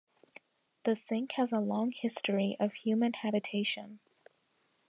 The sink has a long history of human habitation.